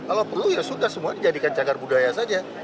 kalau perlu ya sudah semua dijadikan cagar budaya saja